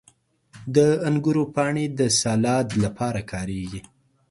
• د انګورو پاڼې د سالاد لپاره کارېږي.